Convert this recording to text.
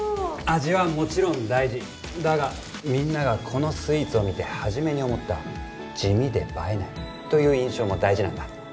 味はもちろん大事だがみんながこのスイーツを見て初めに思った地味で映えないという印象も大事なんだ